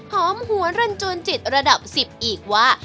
หอมหัวรันจวนจิตระดับ๑๐อีกว่า